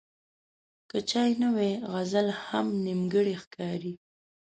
که چای نه وي، غزل هم نیمګړی ښکاري.